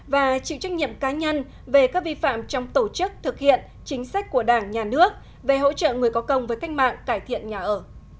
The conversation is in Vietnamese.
và chịu trách nhiệm cá nhân về các vi phạm trong tổ chức thực hiện chính sách của đảng nhà nước về hỗ trợ người có công với cách mạng cải thiện nhà ở